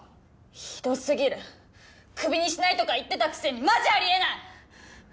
ひどすぎるクビにしないとか言ってたくせにマジありえない！